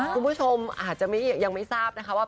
คุณผู้ชมอาจจะยังไม่ทราบนะคะว่า